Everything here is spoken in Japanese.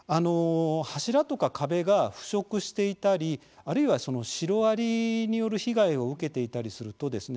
柱とか壁が腐食していたりあるいは、シロアリによる被害を受けていたりするとですね